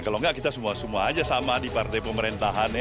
kalau enggak kita semua semua aja sama di partai pemerintahannya